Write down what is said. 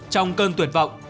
trong cơn tuyệt vọng